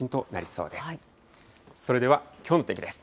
それではきょうの天気です。